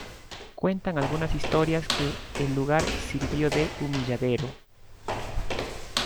Cuentan algunas historias que el lugar sirvió de "humilladero".